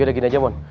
yaudah gini aja mon